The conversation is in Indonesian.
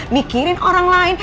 mikirin orang lain